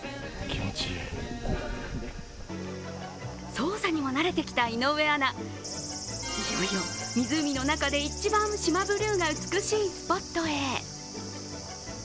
操作にも慣れてきた井上アナ、いよいよ湖の中で一番四万ブルーが美しいスポットへ。